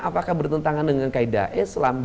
apakah bertentangan dengan kaedah islam